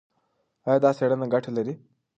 ایا دا څېړنه ګټه لري؟